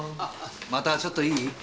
またちょっといい？